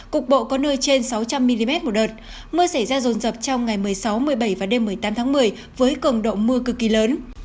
cục bộ có nơi trên sáu trăm linh mm một đợt mưa xảy ra rồn rập trong ngày một mươi sáu một mươi bảy và đêm một mươi tám tháng một mươi với cường độ mưa cực kỳ lớn